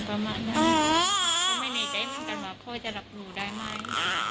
ทำให้ในใจมันกันว่าพ่อจะรับหลู่ได้ไหม